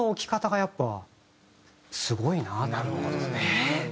なるほどね！